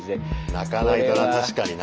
泣かないとな確かにな。